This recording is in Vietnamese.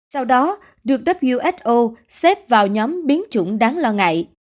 sau đó được who xếp vào nhóm biến chủng đáng lo ngại